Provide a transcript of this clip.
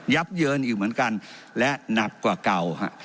เยินอยู่เหมือนกันและหนักกว่าเก่าฮะ